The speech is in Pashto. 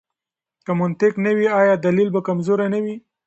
که منطق نه وي، آیا دلیل به کمزوری نه وي؟